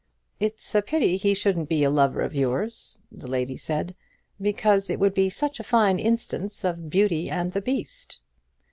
"It's a pity he shouldn't be a lover of yours," the lady said, "because it would be such a fine instance of Beauty and the Beast."